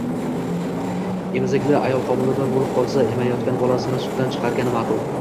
Emizikli ayol homilador bo‘lib qolsa, emayotgan bolasini sutdan chiqargani ma’qul.